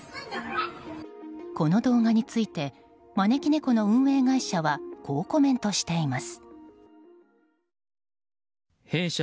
この動画についてまねきねこの運営会社はこうコメントしています。